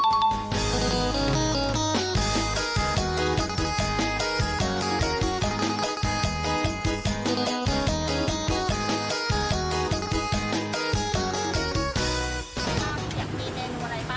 ที่ร้านอยากมีเนื้ออะไรบ้าง